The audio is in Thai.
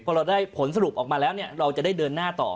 พอเราได้ผลสรุปออกมาแล้วเราจะได้เดินหน้าต่อ